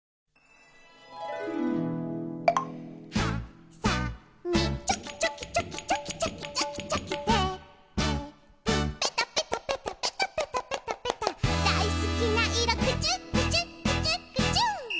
「はさみチョキチョキチョキチョキチョキチョキチョキ」「テープペタペタペタペタペタペタペタ」「だいすきないろクチュクチュクチュクチュ」